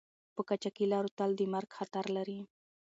په قاچاقي لارو تل د مرګ خطر لری